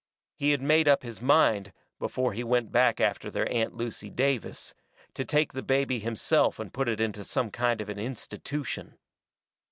He had made up his mind, before he went back after their Aunt Lucy Davis, to take the baby himself and put it into some kind of an institution.